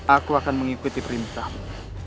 aku akan mengikuti perintahmu